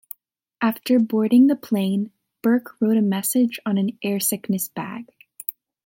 After boarding the plane, Burke wrote a message on an airsickness bag.